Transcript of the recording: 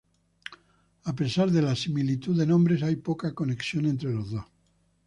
A pesar de la similitud de nombres, hay poca conexión entre los dos.